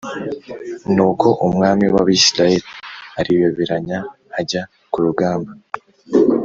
Nuko umwami w’Abisirayeli ariyoberanya ajya ku rugamba